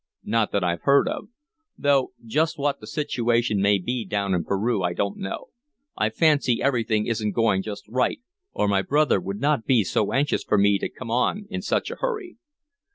"Not that I've heard of. Though just what the situation may be down in Peru I don't know. I fancy everything isn't going just right or my brother would not be so anxious for me to come on in such a hurry."